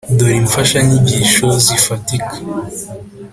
dore imfashanyigisho zifatika,